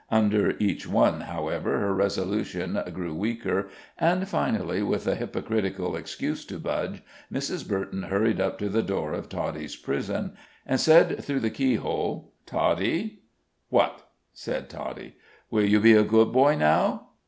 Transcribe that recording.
Under each one, however, her resolution grew weaker, and finally, with a hypocritical excuse to Budge, Mrs. Burton hurried up to the door of Toddie's prison, and said through the keyhole: "Toddie?" "What?" said Toddie. "Will you be a good boy, now!"